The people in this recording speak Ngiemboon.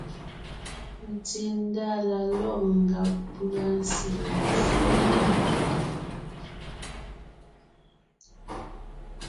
Tsindá la lɔ̂g ngàb pʉ́a sele éfɔ́g.